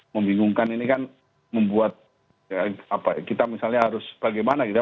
membingungkan ini kan membuat kita misalnya harus bagaimana kita